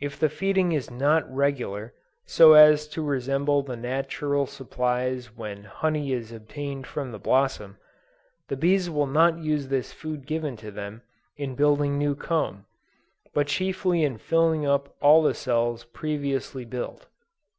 If the feeding is not regular, so as to resemble the natural supplies when honey is obtained from the blossoms, the bees will not use the food given to them, in building new comb, but chiefly in filling up all the cells previously built.